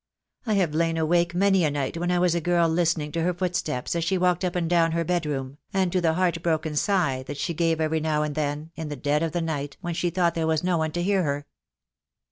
I have lain awake many a night when I was a girl listening to her footsteps as she walked up and down her bedroom, and to the heart broken sigh that she gave every now and then, in the dead of the night, when she thought there was no one to hear her."